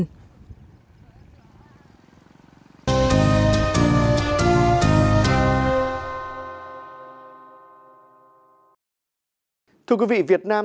thưa quý vị việt nam đã tìm ra một số nguy hiểm và độc hại cho con người và môi trường sống